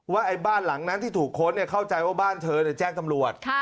ว่าไอ้บ้านหลังนั้นที่ถูกค้นเนี่ยเข้าใจว่าบ้านเธอเนี่ยแจ้งตำรวจ